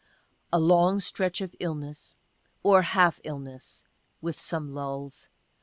(A long stretch of illness, or half illness, with some lulls.